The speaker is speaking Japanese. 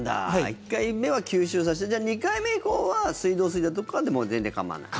１回目は吸収させて２回目以降は水道水だとかでも全然構わないと。